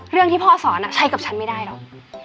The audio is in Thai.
เรื่องที่พ่อสอนใช้กับฉันไม่ได้หรอก